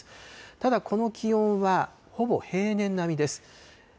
ただ、この気温はほぼ平年並みです。